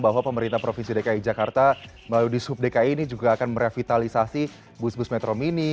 bahwa pemerintah provinsi dki jakarta melalui di sub dki ini juga akan merevitalisasi bus bus metro mini